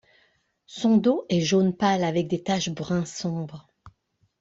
Son dos est jaune pâle avec des taches brun sombre.